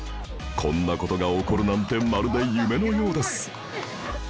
こんな事が起こるなんてまるで夢のようです